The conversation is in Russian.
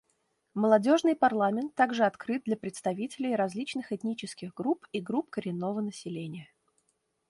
Молодежный парламент также открыт для представителей различных этнических групп и групп коренного населения.